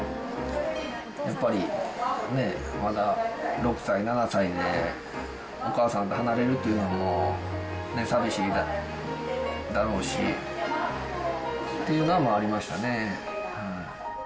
やっぱりね、まだ６歳、７歳でお母さんと離れるっていうのは寂しいだろうしっていうのはありましたね。